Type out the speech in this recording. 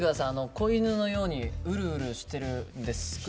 子犬のようにうるうるしてるんです。